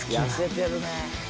痩せてるね。